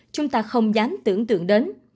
chúng ta không dám tưởng tượng đến